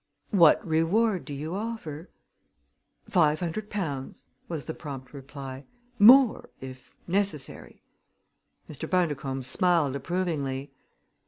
"What reward do you offer?" "Five hundred pounds," was the prompt reply; "more, if necessary." Mr. Bundercombe smiled approvingly.